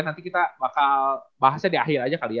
nanti kita bakal bahasnya di akhir aja kali ya